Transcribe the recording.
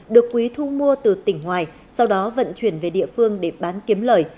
được quý thu mua từ tỉnh ngoài sau đó vận chuyển về địa phương để bán kiếm lời